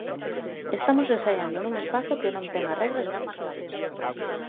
Estamos ensaiando nun espazo que non ten as regras ben marcadas.